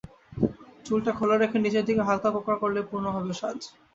চুলটা খোলা রেখে নিচের দিকে হালকা কোঁকড়া করলেই পূর্ণ হবে সাজ।